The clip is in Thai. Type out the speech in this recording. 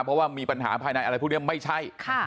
เพราะว่ามีปัญหาภายในอะไรพวกนี้ไม่ใช่